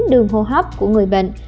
đường hô hấp của người bệnh